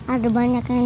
ada banyak yang